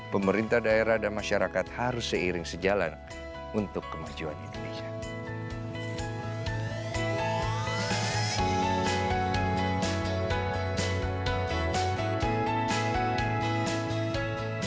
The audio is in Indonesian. pemerintah daerah dan masyarakat harus seiring sejalan untuk kemajuan indonesia